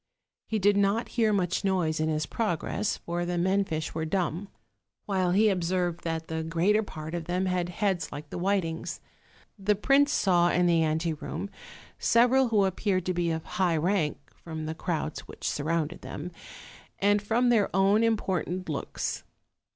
He did not hear much noise in his progress, for the men fish were dumb; while he observed that the 296 OLD, OLD FAIRY TALES. greater part of them had heads like the whitings. The prince saw in the anteroom several who appeared to be of high rank, from the crowds which surrounded them, and from their own important looks.